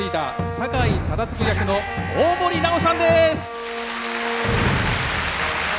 酒井忠次役の大森南朋さんです！